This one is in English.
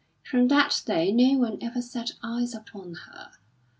From that day no one ever set eyes upon her.